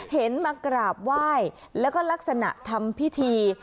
เห็นมากราบไหว้แล้วก็ลักษณะทำพิธี